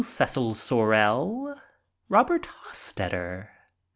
Cecile Sorel, Robert Hostetter, M.